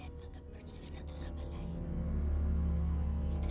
entah apa yang telah kalian berbuat